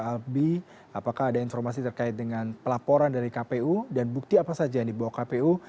albi apakah ada informasi terkait dengan pelaporan dari kpu dan bukti apa saja yang dibawa kpu